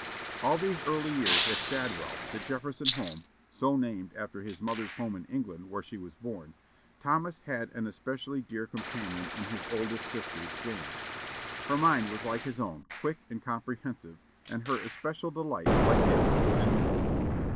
All these early years at "Shadwell," the Jefferson home, so named after his mother's home in England, where she was born, Thomas had an especially dear companion in his oldest sister, Jane. Her mind was like his own, quick and comprehensive, and her especial delight, like his, was in music.